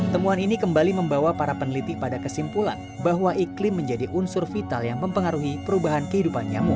temuan ini kembali membawa para peneliti pada kesimpulan bahwa iklim menjadi unsur vital yang mempengaruhi perubahan kehidupan nyamuk